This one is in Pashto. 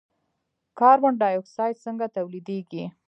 کاربن ډای اکساید څنګه تولیدیږي.